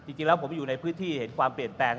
จริงแล้วผมอยู่ในพื้นที่เห็นความเปลี่ยนแปลง